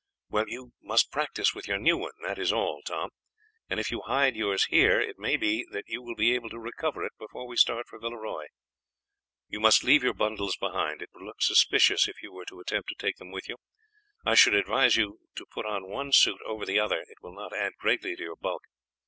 "Well, you must practise with your new one, that is all, Tom; and if you hide yours here it may be that you will be able to recover it before we start for Villeroy. You must leave your bundles behind, it would look suspicious if you were to attempt to take them with you. I should advise you to put on one suit over the other, it will not add greatly to your bulk.